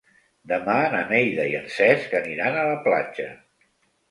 Demà na Neida i en Cesc aniran a la platja.